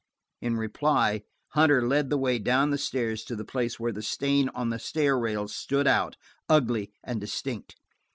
In reply Hunter led the way down the stairs to the place where the stain on the stair rail stood out, ugly and distinct.